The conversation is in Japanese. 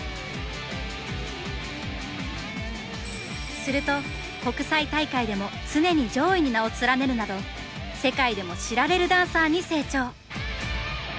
すると国際大会でも常に上位に名を連ねるなど世界でも知られるダンサーに成長！